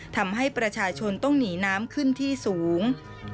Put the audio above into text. ทำให้ประชาชนต้องหนีน้ำขึ้นที่สูง